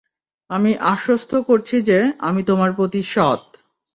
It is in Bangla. আমি আশ্বস্ত করছি যে, আমি তোমার প্রতি সৎ!